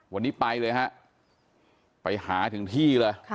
วันนี้ไปเลยฮะไปหาถึงที่เลย